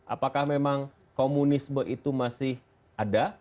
apakah memang komunisme itu masih ada